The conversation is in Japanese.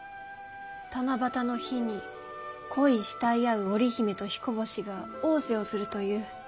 七夕の日に恋い慕い合う織姫と彦星が逢瀬をするという。